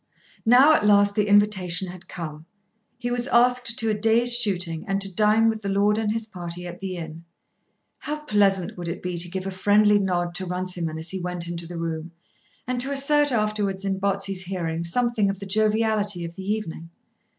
Now at last the invitation had come. He was asked to a day's shooting and to dine with the lord and his party at the inn. How pleasant would it be to give a friendly nod to Runciman as he went into the room, and to assert afterwards in Botsey's hearing something of the joviality of the evening.